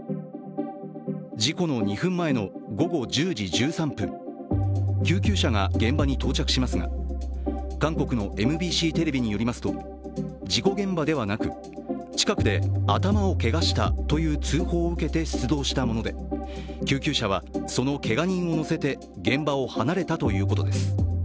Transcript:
事故の２分前の午後１０時１３分、救急車が現場に到着しますが韓国のＭＢＣテレビによりますと事故現場ではなく近くで頭をけがしたという通報を受けて出動したもので、救急車はそのけが人を乗せて現場を離れたということです。